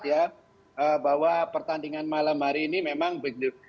ya bahwa pertandingan malam hari ini memang begitu